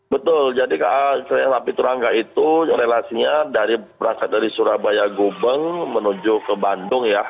betul jadi kak kerajaan api turangga itu relasinya berangkat dari surabaya gubeng menuju ke bandung ya